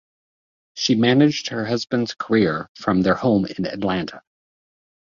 She managed her husband's career from their home in Atlanta.